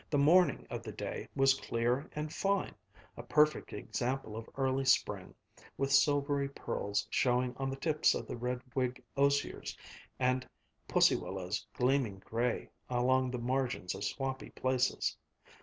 The morning of the day was clear and fine, a perfect example of early spring, with silvery pearls showing on the tips of the red twig osiers, and pussy willows gleaming gray along the margins of swampy places.